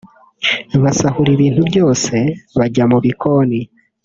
basahura ibintu byose bajya mu bikoni